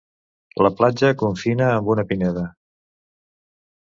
La platja confina amb una pineda.